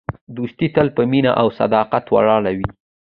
دوستي تل په مینه او صداقت ولاړه وي.